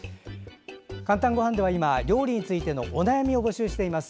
「かんたんごはん」では今、料理についてのお悩みを募集しています。